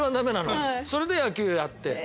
それで野球やって。